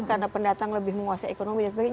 karena pendatang lebih menguasai ekonomi dan sebagainya